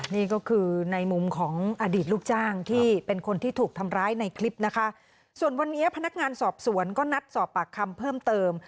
นี่ก็คือในมุมของอดีตลูกจ้างที่เป็นคนที่ถูกทำร้ายในคลิปนะคะส่วนวันนี้พนักงานสอบสวนก็นัดสอบปากคำเพิ่มเติม